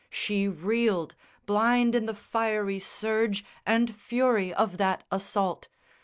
She reeled, blind in the fiery surge And fury of that assault.